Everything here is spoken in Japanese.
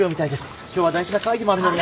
今日は大事な会議もあるのに。